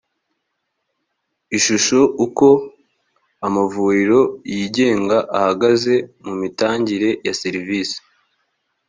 ishusho uko amavuriro yigenga ahagaze mu mitangire ya serivise